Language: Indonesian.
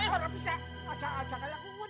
orang bisa ajak ajak aja kaya gue dong